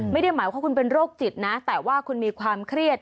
ไม่ได้หมายความว่าคุณเป็นโรคจิตนะแต่ว่าคุณมีความเครียด